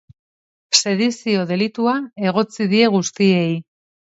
Sedizio delitua egotzi die guztiei.